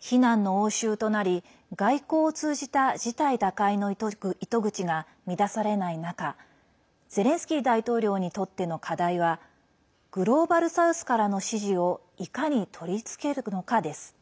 非難の応酬となり外交を通じた事態打開の糸口が見いだされない中ゼレンスキー大統領にとっての課題はグローバル・サウスからの支持をいかに取り付けるのかです。